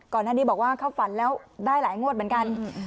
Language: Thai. ก่อนหน้านี้บอกว่าเข้าฝันแล้วได้หลายงวดเหมือนกัน